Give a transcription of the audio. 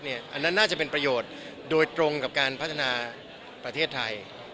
อันนั้นน่าจะเป็นประโยชน์โดยตรงกับการพัฒนาประเทศไทย